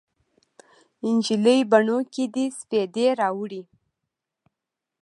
نجلۍ بڼو کې دې سپیدې راوړي